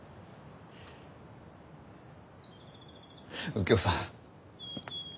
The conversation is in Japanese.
右京さん。